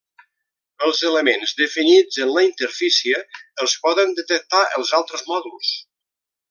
Els elements definits en la interfície els poden detectar els altres mòduls.